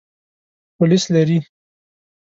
پولیس لري.